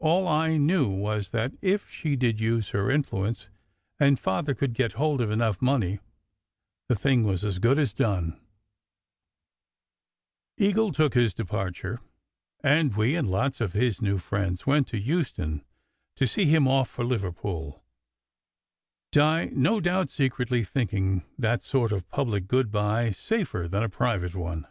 All I knew was that, if she did use her influence and Father could get hold of enough money the thing was as good as done. SECRET HISTORY 59 Eagle took his departure; and we, and lots of his new friends, went to Euston to see him off for Liverpool, Di, no doubt, secretly thinking that sort of public "good bye" safer than a private one.